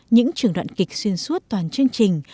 những trường đoạn kịch xuyên suốt toàn chương trình